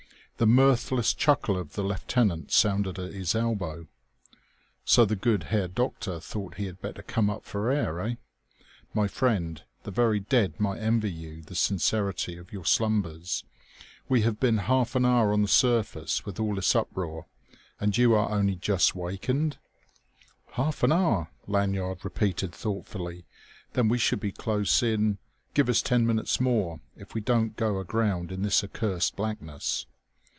The mirthless chuckle of the lieutenant sounded at his elbow. "So the good Herr Doctor thought he had better come up for air, eh? My friend, the very dead might envy you the sincerity of your slumbers. We have been half an hour on the surface, with all this uproar and you are only just wakened!" "Half an hour?" Lanyard repeated thoughtfully. "Then we should be close in...." "Give us ten minutes more ... if we don't go aground in this accursed blackness!"